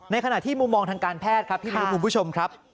ขณะที่มุมมองทางการแพทย์ครับพี่มิวคุณผู้ชมครับ